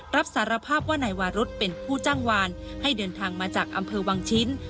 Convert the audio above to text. รับสารภาพว่านายวารุธเป็นผู้จ้างวานให้เดินทางมาจากอำเภอวังชิ้น